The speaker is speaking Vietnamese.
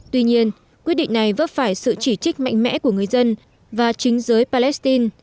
tuy nhiên quyết định này vấp phải sự chỉ trích mạnh mẽ của người dân và chính giới palestine